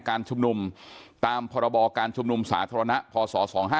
การชุมนุมตามพรบการชุมนุมสาธารณะพศ๒๕๖